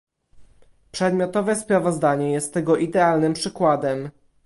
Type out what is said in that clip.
Przedmiotowe sprawozdanie jest tego idealnym przykładem